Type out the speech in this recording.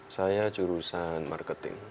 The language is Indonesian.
saya jurusan marketing